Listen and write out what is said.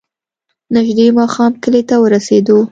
نژدې ماښام کلي ته ورسېدو.